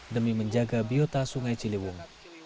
demi menjaga biota sungai ciliwung